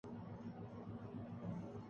اورخون کی ندیاں نہیں دریا بہہ رہے تھے۔